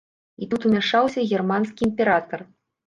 І тут умяшаўся германскі імператар.